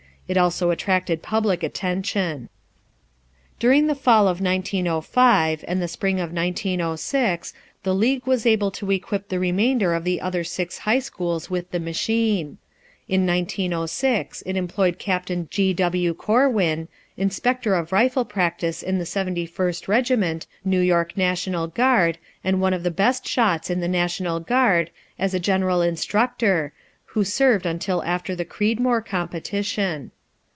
It also attracted public attention. During the fall of 1905, and the spring of 1906, the league was able to equip the remainder of the other six high schools with the machine. In 1906 it employed Capt. G. W. Corwin, inspector of rifle practice in the Seventy first Regiment, New York National Guard, and one of the best shots in the National Guard, as a general instructor, who served until after the Creedmoor competition.